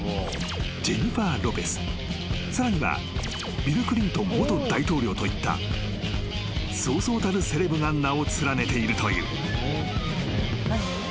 ［さらにはビル・クリントン元大統領といったそうそうたるセレブが名を連ねているという］